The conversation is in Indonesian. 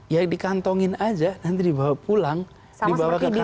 ya dikantongin aja nanti dibawa pulang dibawa ke kantor